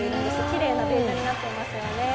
きれいなベージュになっていますよね。